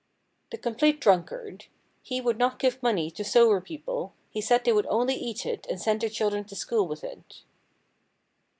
The Complete Drunkard. He would not give money to sober people, he said they would only eat it and send their children to school with it.